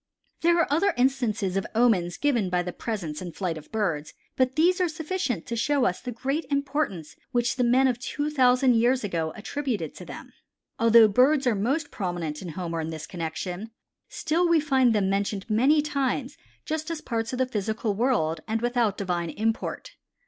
There are other instances of omens given by the presence and flight of birds, but these are sufficient to show us the great importance which the men of two thousand years ago attributed to them. Although birds are most prominent in Homer in this connection, still we find them mentioned many times just as parts of the physical world and without divine import.